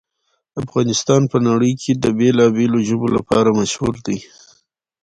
افغانستان په نړۍ کې د بېلابېلو ژبو لپاره مشهور دی.